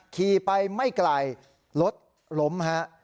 ขี่ไปไม่ไกลรถล้มฮะ